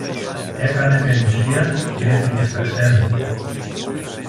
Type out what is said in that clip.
έκανε περιουσία κι έφυγε στα ξένα